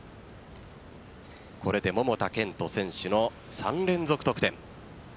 これで桃田賢斗選手の３連続得点。